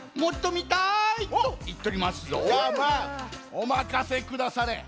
おまかせくだされ。